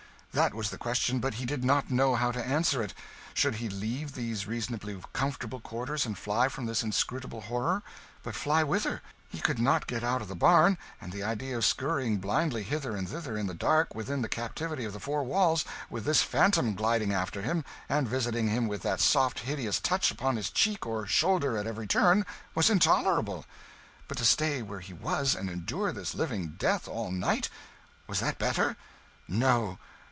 That was the question; but he did not know how to answer it. Should he leave these reasonably comfortable quarters and fly from this inscrutable horror? But fly whither? He could not get out of the barn; and the idea of scurrying blindly hither and thither in the dark, within the captivity of the four walls, with this phantom gliding after him, and visiting him with that soft hideous touch upon cheek or shoulder at every turn, was intolerable. But to stay where he was, and endure this living death all night was that better? No.